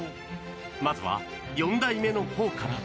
まずは、４代目のほうから。